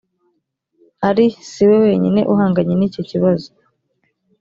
ari si we wenyine uhanganye n’icyo kibazo